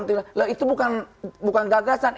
itu bukan gagasan